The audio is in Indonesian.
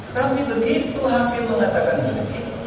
tapi begitu hakim mengatakan ini